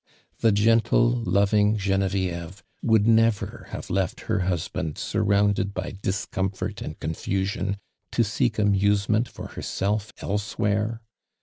The gentle, loving Genevieve would never have left her husband sniToundtHi ly discomfort and confusion, to seek amuse ment for herself elsewhere.